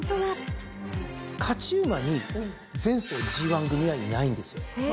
勝ち馬に前走ＧⅠ組はいないんですよ。